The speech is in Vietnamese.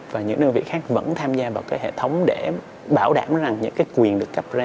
và những đơn vị khác vẫn tham gia vào cái hệ thống để bảo đảm rằng những cái quyền được cấp ra